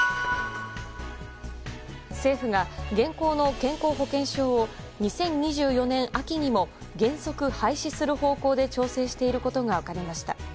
政府が現行の健康保険証を２０２４年秋にも原則廃止する方向で調整していることが分かりました。